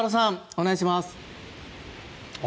お願いします。